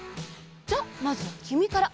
じゃあまずはきみから！